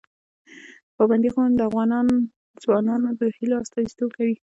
پابندي غرونه د افغان ځوانانو د هیلو استازیتوب کوي.